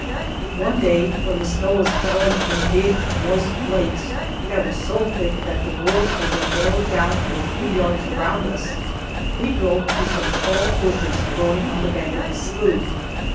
One day, when the snow was falling in big moist flakes that were so thick that the world had been narrowed down to a few yards around us, we drove to some tall bushes growing on the bank of the slough.